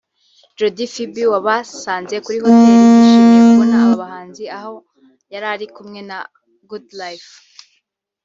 Jody Phibi wabasanze kuri Hotel yishimiye kubona aba bahanzi aha yarari kumwe na Good lyfe